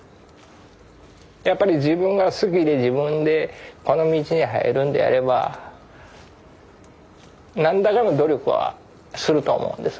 やっぱり自分が好きで自分でこの道に入るんであれば何らかの努力はすると思うんです。